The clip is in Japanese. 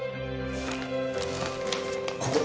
ここ。